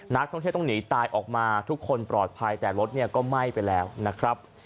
นักท่องเที่ยวต้องหนีตายออกมาทุกคนปลอดภัยแต่รถเนี่ยก็ไหม้ไปแล้วนะครับ